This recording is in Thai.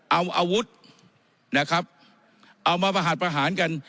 เอาอาวุธนะครับเอามาประหัสประหารกัน